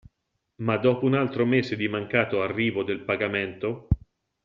Ma dopo un altro mese di mancato arrivo del pagamento.